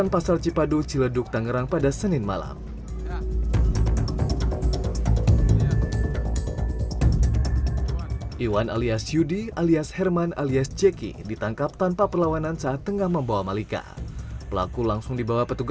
pertemuan orang tua tidak berhenti